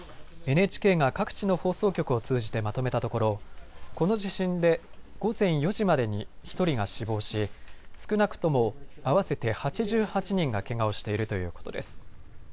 ＮＨＫが各地の放送局を通じてまとめたところ、この地震で午前４時までに１人が死亡し、少なくとも合わせて８８人がけがをしているということです。